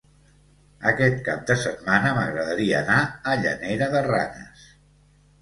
Aquest cap de setmana m'agradaria anar a Llanera de Ranes.